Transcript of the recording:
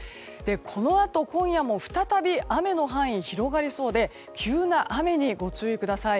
このあと、今夜も再び雨の範囲が広がりそうで急な雨にご注意ください。